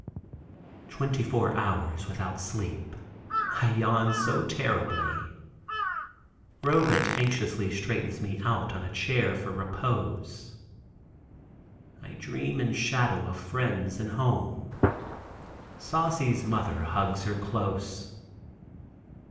Twenty four hours without sleep. I yawn so terribly. Robet anxiously straightens me out on a chair for repose. I dream in shadow of friends and home. Saucy's mother hugs her close.